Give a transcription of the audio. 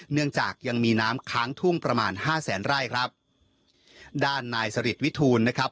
เนื่องจากยังมีน้ำค้างทุ่งประมาณห้าแสนไร่ครับด้านนายสริตวิทูลนะครับ